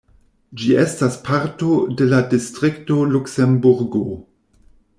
Ĝi estas parto de la distrikto Luksemburgo.